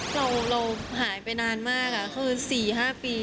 เราหายไปนานมากคือ๔๕ปี